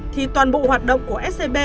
thì toàn bộ hoạt động của scb